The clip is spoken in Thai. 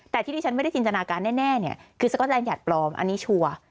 แต่ที่ดีฉันไม่ได้จีนจนาการแน่คือสักวันแรงหยัดปลอมอันนี้ชัวร์